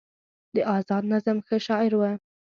د ازاد نظم ښه شاعر و